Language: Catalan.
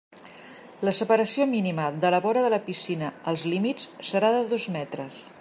La separació mínima de la vora de la piscina als límits serà de dos metres.